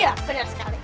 iya bener sekali